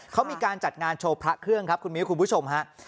เขามีการจัดงานโชว์พระเครื่องครับคุณมิ้วคุณผู้ชมฮะ